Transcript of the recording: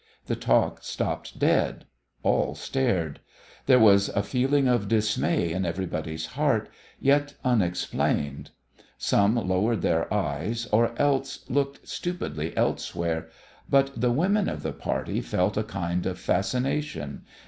The talk stopped dead; all stared; there was a feeling of dismay in everybody's heart, yet unexplained. Some lowered their eyes, or else looked stupidly elsewhere; but the women of the party felt a kind of fascination.